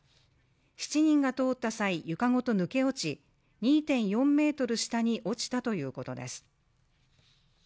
７人が通った際、床ごと抜け落ち、２．４ｍ下に落ちたということです